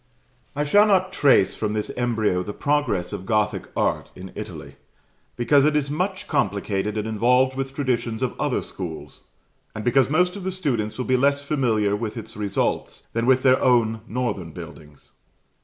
I shall not trace from this embryo the progress of Gothic art in Italy, because it is much complicated and involved with traditions of other schools, and because most of the students will be less familiar with its results than with their own northern buildings.